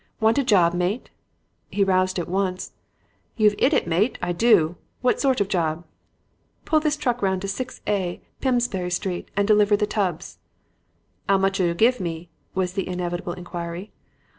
"'Want a job, mate?' "He roused at once. 'You've 'it it, mate. I do. What sort of job?' "'Pull this truck round to 6A Plimsbury Street and deliver the tubs.' "'Ow much 'll you give me?' was the inevitable inquiry.